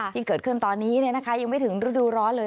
ที่เกิดขึ้นตอนนี้ยังไม่ถึงฤดูร้อนเลย